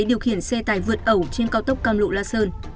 điều khiển xe tải vượt ẩu trên cao tốc cam lộ la sơn